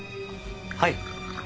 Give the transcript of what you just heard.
はい。